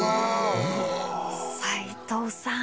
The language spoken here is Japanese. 斉藤さん